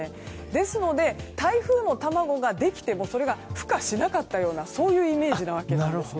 ですので、台風の卵ができてもそれが孵化しなかったようなそういうイメージなわけです。